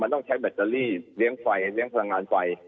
ต้องใช้แบตเตอรี่เลี้ยงไฟเลี้ยงพลังงานไฟ